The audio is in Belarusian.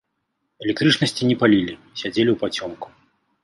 Электрычнасці не палілі, сядзелі ўпацёмку.